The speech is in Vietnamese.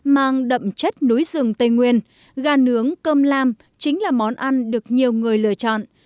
mang đậm chất núi rừng tây nguyên gà nướng cơm lam chính là món ăn được nhiều người lựa chọn